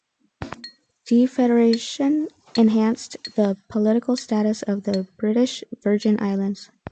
Defederation enhanced the political status of the British Virgin Islands.